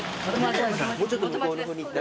もうちょっと向こうの方に行ったら。